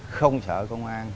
không sợ công an